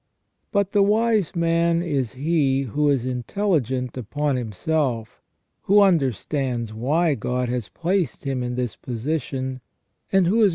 But the wise man is he who is intelligent upon himself, who under stands why God has placed him in this position, and who is 3IO THE RESTORATION OF MAN.